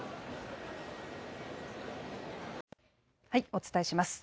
お伝えします。